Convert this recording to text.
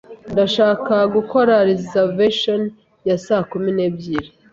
Ndashaka gukora reservation ya saa kumi n'ebyiri.